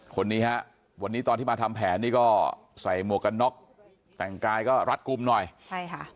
คนนี้ฮะวันนี้ตอนที่มาทำแผนนี่ก็ใส่หมวกกันน็อกแต่งกายก็รัดกลุ่มหน่อยใช่ค่ะ